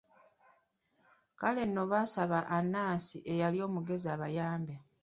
Kale nno baasaba Anansi eyali omugezi abayambe.